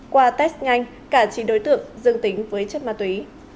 qua test nhanh cả chín đối tượng dương tính với chất ma túy